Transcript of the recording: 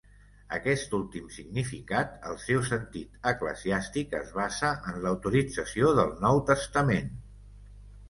Aquest últim significat, el seu sentit eclesiàstic, es basa en la utilització del Nou Testament.